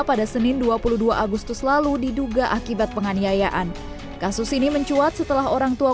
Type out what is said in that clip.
pada senin dua puluh dua agustus lalu diduga akibat penganiayaan kasus ini mencuat setelah orang tua